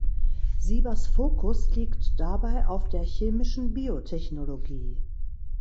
Siebers Fokus liegt dabei auf der Chemischen Biotechnologie.